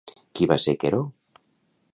Qui va ser Queró?